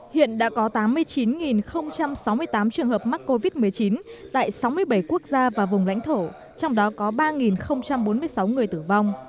hiện đã có tám mươi chín sáu mươi tám trường hợp mắc covid một mươi chín tại sáu mươi bảy quốc gia và vùng lãnh thổ trong đó có ba bốn mươi sáu người tử vong